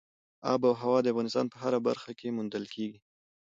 آب وهوا د افغانستان په هره برخه کې موندل کېږي.